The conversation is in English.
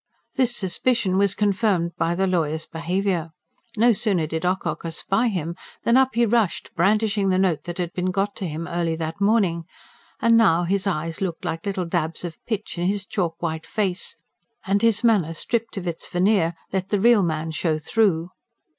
This suspicion was confirmed by the lawyer's behaviour. No sooner did Ocock espy him than up he rushed, brandishing the note that had been got to him early that morning and now his eyes looked like little dabs of pitch in his chalk white face, and his manner, stripped of its veneer, let the real man show through.